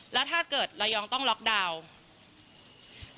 แล้วถ้าเกิดระยองต้องล็อกดาวน์